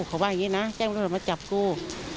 กูแจ้งตำรวจมาจับกู